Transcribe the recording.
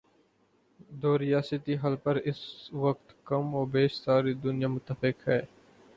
دو ریاستی حل پر اس وقت کم و بیش ساری دنیا متفق ہے۔